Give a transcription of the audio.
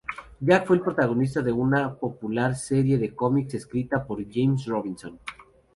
Jack fue el protagonista de una popular serie de cómics escrita por James Robinson.